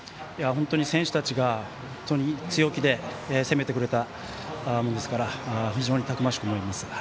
本当に選手たちが強気で攻めてくれたので非常にたくましく思います。